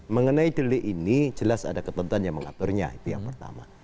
mengenai delik ini jelas ada ketentuan yang mengaturnya itu yang pertama